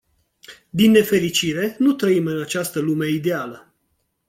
Din nefericire, nu trăim în această lume ideală.